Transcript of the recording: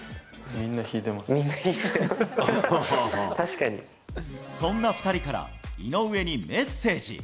みんな引いてた、そんな２人から、井上にメッセージ。